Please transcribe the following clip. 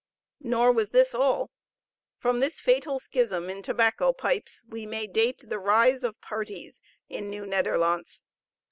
Nor was this all. From this fatal schism in tobacco pipes we may date the rise of parties in the Nieuw Nederlandts.